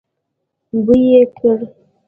بوی يې کړی.